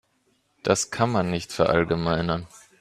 Das kann man nicht verallgemeinern.